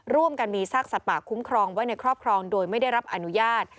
ร่วมกันมีซากสัตว์ป่าคุ้มครองไว้ในครอบครองโดยไม่ได้รับอนุญาต